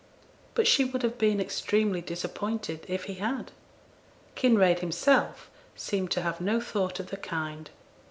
But she would have been extremely disappointed if he had. Kinraid himself seemed to have no thought of the kind.